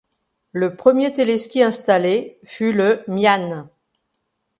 Le premier téléski installé fut le Miane.